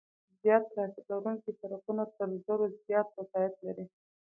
زیات ترافیک لرونکي سرکونه تر زرو زیات وسایط لري